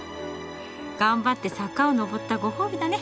がんばって坂を上ったご褒美だね。